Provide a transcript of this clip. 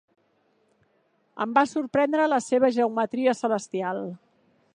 Em va sorprendre la seva geometria celestial.